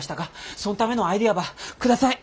そんためのアイデアば下さい。